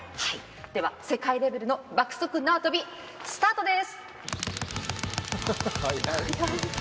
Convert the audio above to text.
世界レベルの爆速縄跳びスタートです！